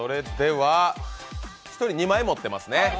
１人２枚持ってますね。